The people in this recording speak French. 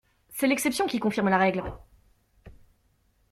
C’est l’exception qui confirme la règle.